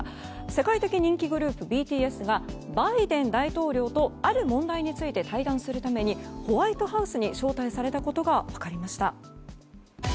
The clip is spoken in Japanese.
世界的人気グループＢＴＳがバイデン大統領とある問題について対談するためにホワイトハウスに招待されたことが分かりました。